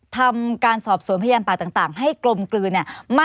ทำการสอบสวนพยานป่าต่างให้กลมกลืน